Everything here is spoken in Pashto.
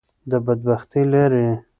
د بدبختی لارې.